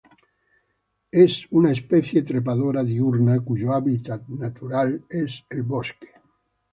Es una especie trepadora diurna cuyo hábitat natural es el bosque.